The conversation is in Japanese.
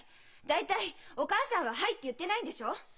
大体お母さんは「はい」って言ってないんでしょ！？